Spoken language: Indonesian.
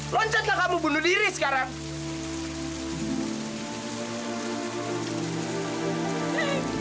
loncatlah kamu bunuh diri sekarang